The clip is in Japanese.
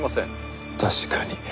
確かに。